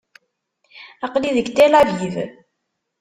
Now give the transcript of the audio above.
Aql-i deg Tel Aviv.